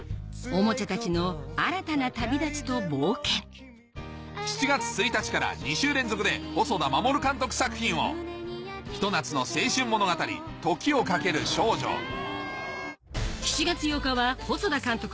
オモチャたちの新たな旅立ちと冒険７月１日から２週連続で細田守監督作品をひと夏の青春物語細田監督